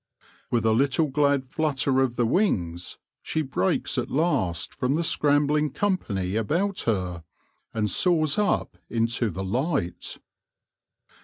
With a little glad flutter of the wings, she breaks at last from the scrambling company about her, and soars up into the light.